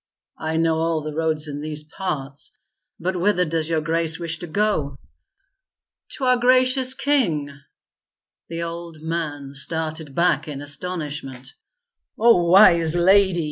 "I know all the roads in these parts. But whither does your grace wish to go?" "To our gracious king." The old man started back in astonishment. "O Wise Lady!"